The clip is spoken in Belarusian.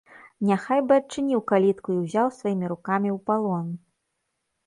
Няхай бы адчыніў калітку і ўзяў сваімі рукамі ў палон.